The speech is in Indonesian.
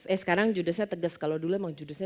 eh sekarang judesnya tegas kalau dulu emang judesnya